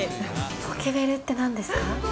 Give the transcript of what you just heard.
ポケベルってなんですか？